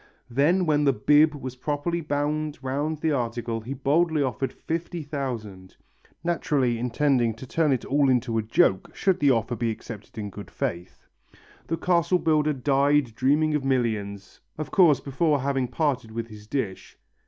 Then when the "bib" was properly bound round the article he boldly offered fifty thousand naturally intending to turn it all into a joke should the offer be accepted in good faith. The castle builder died dreaming of millions, of course before having parted with his dish.